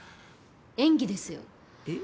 演技ですよ。えっ？